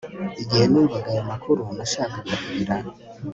Igihe numvaga ayo makuru nashakaga kurira